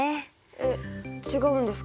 えっ違うんですか？